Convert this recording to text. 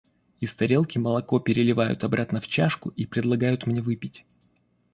Из тарелки молоко переливают обратно в чашку и предлагают мне выпить.